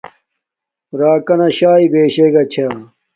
راکنا شاݵ بشگا چھا کا